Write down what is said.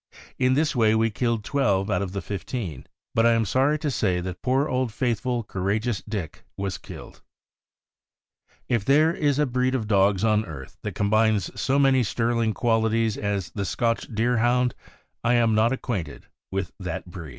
In this way we killed twelve out of the fifteen; but I am sorry to say that poor old, faithful, courageous Dick was killed." If there is a breed of dogs on earth that combines so many sterling qualities as the Sc